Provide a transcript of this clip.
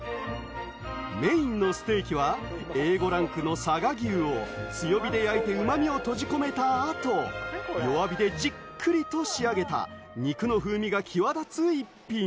メインのステーキはＡ５ランクの佐賀牛を強火で焼いてうまみを閉じ込めたあと、弱火でじっくりと仕上げた肉の風味が際立つ逸品。